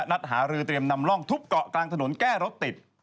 นัดหารือเตรียมนำร่องทุบเกาะกลางถนนแก้รถติด